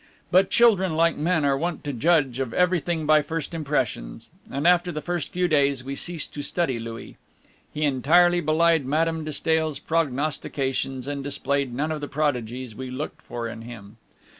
But children, like men, are wont to judge of everything by first impressions, and after the first few days we ceased to study Louis; he entirely belied Madame de Stael's prognostications, and displayed none of the prodigies we looked for in him.